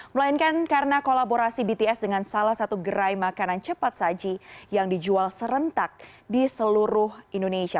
melainkan karena kolaborasi bts dengan salah satu gerai makanan cepat saji yang dijual serentak di seluruh indonesia